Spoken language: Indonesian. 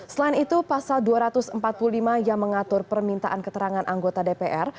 selain itu pasal dua ratus empat puluh lima yang mengatur permintaan keterangan anggota dpr